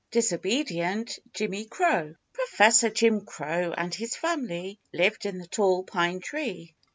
DISOBEDIENT JIMMY CROW PROFESSOR JIM CROW and his family lived in the Tall Pine Tree.